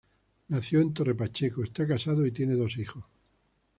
Nacido en Torre Pacheco, está casado y tiene dos hijos.